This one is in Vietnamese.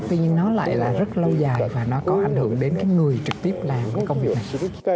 tuy nhiên nó lại là rất lâu dài và nó có ảnh hưởng đến cái người trực tiếp làm cái công việc này